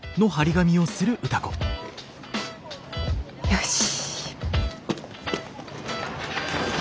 よし。